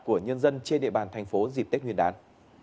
của nhân dân trên địa bàn thành phố dịp tết nguyên đán